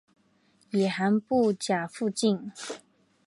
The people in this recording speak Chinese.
野寒布岬附近。